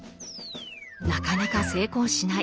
なかなか成功しない。